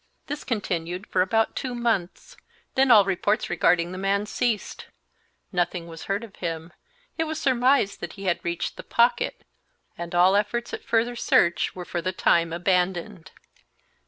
This continued for about two months; then all reports regarding the man ceased; nothing was heard of him, it was surmised that he had reached the "Pocket," and all efforts at further search were for the time abandoned.